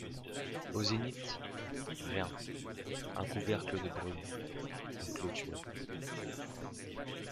Au zénith, rien, un couvercle de brume, une clôture.